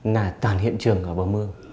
là toàn hiện trường ở bờ mương